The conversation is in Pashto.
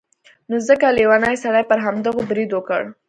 نو ځکه لیوني سړي پر همدغو برید وکړ.